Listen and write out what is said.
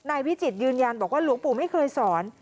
วิจิตยืนยันบอกว่าหลวงปู่ไม่เคยสอน